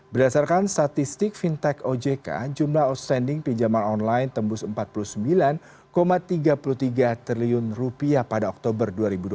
berdasarkan statistik fintech ojk jumlah outstanding pinjaman online tembus empat puluh sembilan tiga puluh tiga triliun rupiah pada oktober dua ribu dua puluh